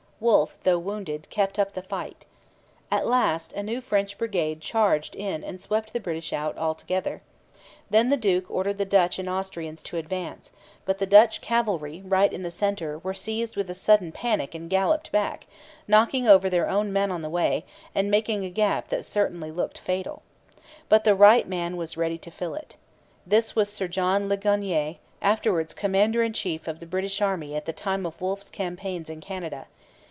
Wolfe, though wounded, kept up the fight. At last a new French brigade charged in and swept the British out altogether. Then the duke ordered the Dutch and Austrians to advance: But the Dutch cavalry, right in the centre, were seized with a sudden panic and galloped back, knocking over their own men on the way, and making a gap that certainly looked fatal. But the right man was ready to fill it. This was Sir John Ligonier, afterwards commander in chief of the British Army at the time of Wolfe's campaigns in Canada.